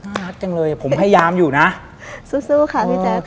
น่ารักจังเลยผมพยายามอยู่นะสู้ค่ะพี่แจ๊ก